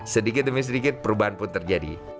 sedikit demi sedikit perubahan pun terjadi